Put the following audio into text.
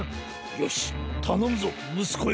よしたのむぞむすこよ！